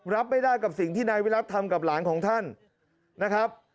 รับไม่ได้กับสิ่งที่นายวิรัติทำกับหลานของท่านนะครับ